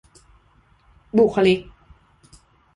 บุคลิก